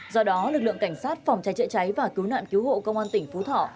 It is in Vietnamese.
do đó lực lượng cảnh sát phòng cháy chữa cháy và cứu nạn cứu hộ công an tỉnh phú thọ